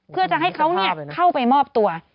เพื่อจะให้เขาเข้าไปมอบตัว